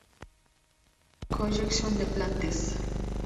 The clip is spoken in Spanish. Collection de plantes.